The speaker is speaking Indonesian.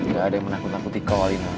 gak ada yang menakut takutin kau alina